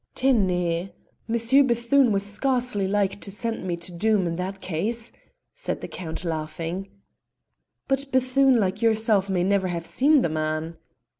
"Tenez! M. Bethune was scarcely like to send me to Doom in that case," said the Count laughing. "But Bethune, like yourself, may never have seen the man."